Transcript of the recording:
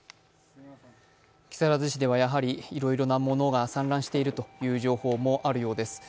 木更津市ではいろいろなものが散乱しているという情報もあるようです。